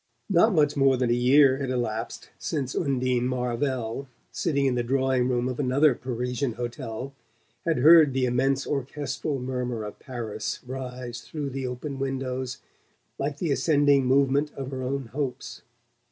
Not much more than a year had elapsed since Undine Marvell, sitting in the drawing room of another Parisian hotel, had heard the immense orchestral murmur of Paris rise through the open windows like the ascending movement of her own hopes.